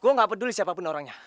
gua nggak peduli siapapun orangnya